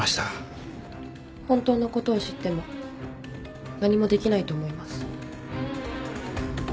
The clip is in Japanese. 本当のことを知っても何もできないと思います。